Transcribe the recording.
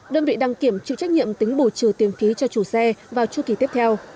đơn vị đăng kiểm chịu trách nhiệm tính bù trừ tiền phí cho chủ xe vào chu kỳ tiếp theo